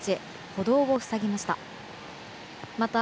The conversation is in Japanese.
歩道を塞ぎました。